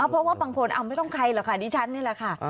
เพราะว่าบางคนไม่ต้องใครหรอกค่ะดิฉันนี่แหละค่ะ